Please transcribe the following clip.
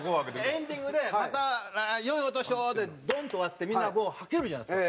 エンディングで「また良いお年を！」でドンと終わってみんなはけるじゃないですか。